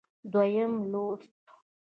دویم لوست